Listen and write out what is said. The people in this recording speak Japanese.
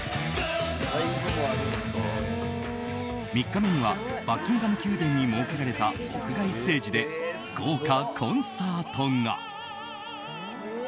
３日目にはバッキンガム宮殿に設けられた屋外ステージで豪華コンサートが。